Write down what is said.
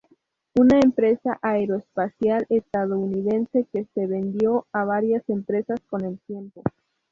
Una empresa aeroespacial estadounidense que se vendió a varias empresas con el tiempo.